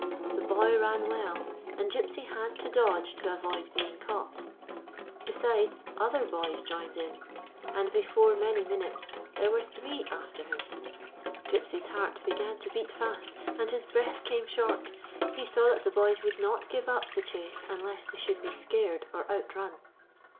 The boy ran well, and Gypsy had to dodge to avoid being caught. Besides, other boys joined in, and before many minutes there were three after him. Gypsy's heart began to beat fast and his breath came short. He saw that the boys would not give 124 OUT INTO THE BIG WORLD up tlie chase unless they should be scared or outrun.